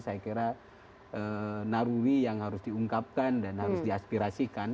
saya kira naruwi yang harus diungkapkan dan harus diaspirasikan